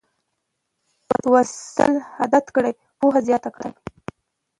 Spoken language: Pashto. لوستل عادت کړه پوهه زیاته کړه